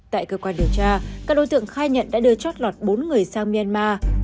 tại cơ quan điều tra các đối tượng khai nhận đã đưa chót lọt bốn người sang myanmar